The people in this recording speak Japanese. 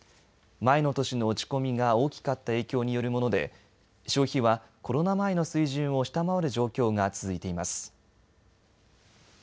前の年の落ち込みが大きかった影響によるもので消費は、コロナ前の水準を下回る状況が続いています。